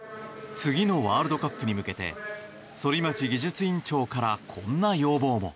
次のワールドカップに向けて反町技術委員長からこんな要望も。